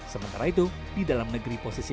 sementara itu di dalam negeri posisi